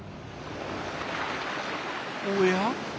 おや？